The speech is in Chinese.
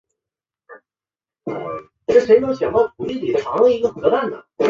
目前饼干组成。